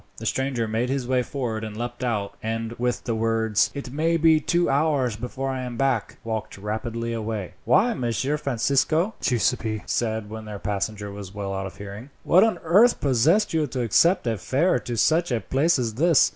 The stranger made his way forward and leapt out, and with the words, "It may be two hours before I am back," walked rapidly away. "Why, Messer Francisco," Giuseppi said when their passenger was well out of hearing, "what on earth possessed you to accept a fare to such a place as this?